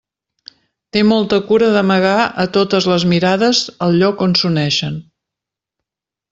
Té molta cura d'amagar a totes les mirades el lloc on s'uneixen.